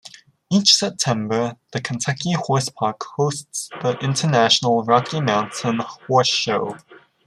Each September, the Kentucky Horse Park hosts the International Rocky Mountain Horse Show.